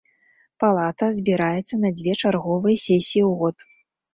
Палата збіраецца на дзве чарговыя сесіі ў год.